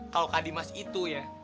kalau kak dimas itu ya